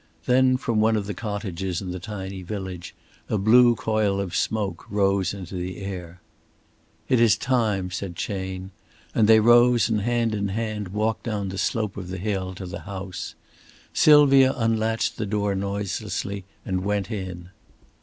Then from one of the cottages in the tiny village a blue coil of smoke rose into the air. "It is time," said Chayne, and they rose and hand in hand walked down the slope of the hill to the house. Sylvia unlatched the door noiselessly and went in.